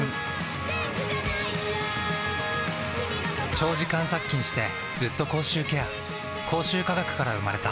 長時間殺菌してずっと口臭ケア口臭科学から生まれた